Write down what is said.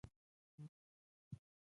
هغې باید د فضايي بېړۍ راتلونکې الوتنې